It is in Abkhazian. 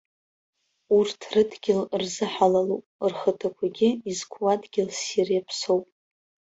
Урҭ рыдгьыл рзыҳалалуп, рхаҭақәагьы изқәу адгьыл ссир иаԥсоуп.